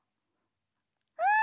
うん！